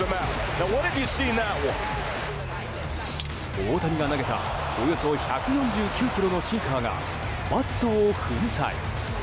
大谷が投げたおよそ１４９キロのシンカーがバットを粉砕。